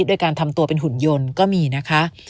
โดยการทำตัวเป็นหุ่นยนต์ก็มีนะคะ